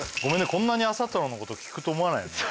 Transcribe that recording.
こんなに朝太郎のこと聞くと思わないよね？